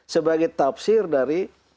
sebagai tafsir dari